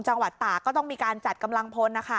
จังหวัดตากก็ต้องมีการจัดกำลังพลนะคะ